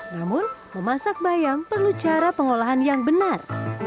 namun memasak bayam perlu cara pengolahan yang benar